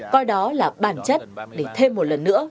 coi đó là bản chất để thêm một lần nữa